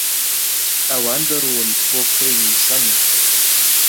ئەوان دەڕۆن بۆ کرینی سەموون.